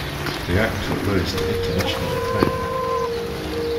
The actor rose to international acclaim.